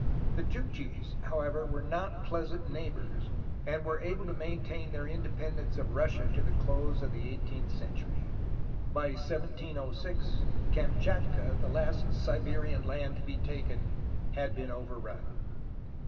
The Chukchis, however, were not pleasant neighbors, and were able to maintain their inde pendence of Russia to the close of the eighteenth century. By 1706 Kamchatka, the last Siberian land to be taken, had been overrun.